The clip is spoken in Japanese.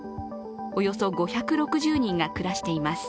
およそ５６０人が暮らしています。